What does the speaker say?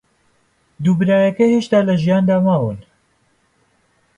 دوو برایەکە هێشتا لە ژیاندا ماون.